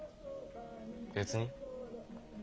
別に。